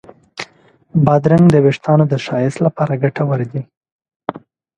بادرنګ د وېښتانو د ښایست لپاره ګټور دی.